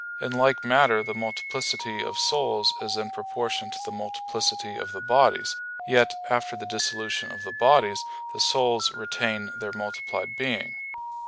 In like manner the multiplicity of souls is in proportion to the multiplicity of the bodies; yet, after the dissolution of the bodies, the souls retain their multiplied being.